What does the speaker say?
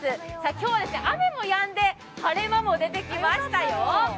今日は雨もやんで晴れ間も出てきましたよ。